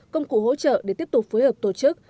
công cụ hỗ trợ để tiếp tục phối hợp tổ chức